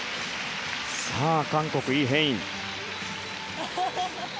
さあ韓国、イ・ヘイン。